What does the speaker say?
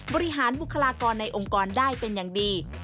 บริหารบุคลากรในองค์กรได้เป็นอย่างดี